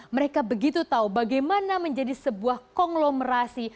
mereka begitu tahu bagaimana menjadi sebuah konglomerasi